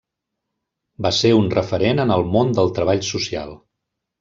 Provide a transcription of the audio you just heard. Va ser un referent en el món del treball social.